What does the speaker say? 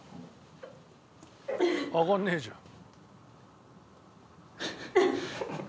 上がんねえじゃん。